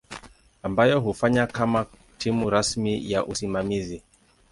ambayo hufanya kama timu rasmi ya usimamizi.